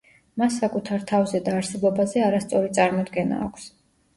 მას საკუთარ თავზე და არსებობაზე არასწორი წარმოდგენა აქვს.